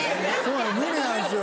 無理なんですよ。